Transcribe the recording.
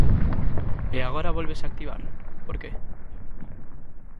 E agora vólvese activar, ¿por que?